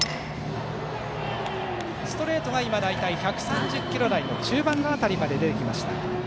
ストレートが大体１３０キロ台の中盤辺りまで出てきました。